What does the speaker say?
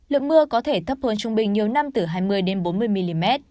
lượng mưa có thể thấp hơn trung bình nhiều năm từ hai mươi đến bốn mươi mm